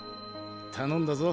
頼んだぞ。